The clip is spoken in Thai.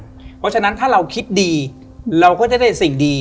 เพราะฉะนั้นถ้าเราคิดดีเราก็จะได้สิ่งดี